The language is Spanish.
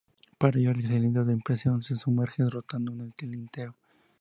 Para ello, el cilindro de impresión se sumerge rotando en el tintero.